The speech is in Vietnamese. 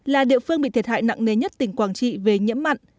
là địa phương bị thiệt hại nặng nề nhất tỉnh quảng trị về nhiễm mặn